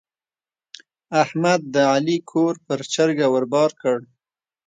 احمد د علي کور پر چرګه ور بار کړ.